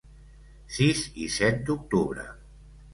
Sis i set d’octubre.